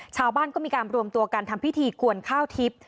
ชาวบ้านก็มีการรวมตัวกันทำพิธีกวนข้าวทิพย์